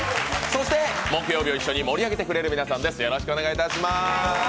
そして木曜日を一緒に盛り上げてくれる皆さんです。